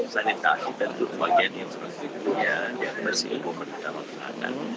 sanitasi tentu bagian yang sebetulnya bersih untuk masyarakat